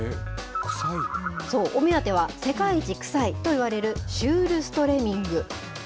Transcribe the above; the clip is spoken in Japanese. そう、お目当ては世界一臭いといわれるシュールストレミング。